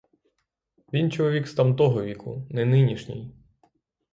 Він чоловік з тамтого віку, не нинішній.